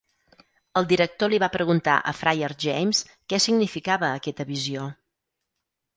El Director li va preguntar a Friar James què significava aquesta visió.